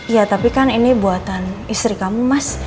ya tapi kan ini buatan istri kamu mas